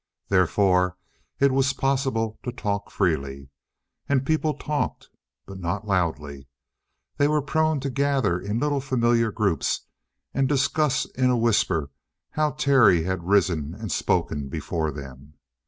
Therefore it was possible to talk freely. And people talked. But not loudly. They were prone to gather in little familiar groups and discuss in a whisper how Terry had risen and spoken before them.